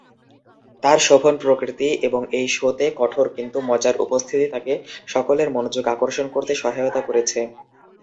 তার শোভন প্রকৃতি এবং এই শো-তে কঠোর কিন্তু মজার উপস্থিতি তাকে সকলের মনোযোগ আকর্ষণ করতে সহায়তা করেছে।